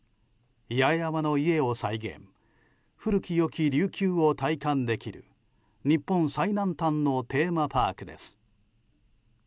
八重山の家を再現古き良き琉球を体感できる日本最南端のテーマパークです。